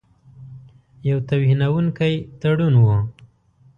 یو توهینونکی تړون وو.